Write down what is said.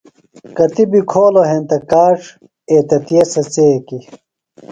کتیۡ بیۡ کھولوۡ ہینتہ کاڇ، اتِیتے سےۡ څیکیۡ